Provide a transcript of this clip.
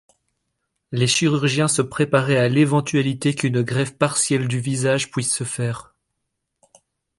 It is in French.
Les chirurgiens se préparaient à l'éventualité qu'une greffe partielle du visage puisse se faire.